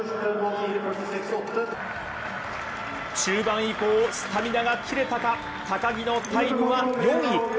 中盤以降、スタミナが切れたか高木のタイムは４位。